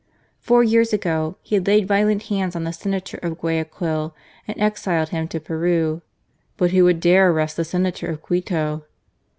Four years ago he had laid violent hands on the Senator of Guayaquil and exiled him to Peru. But who would dare arrest the Senator of Quito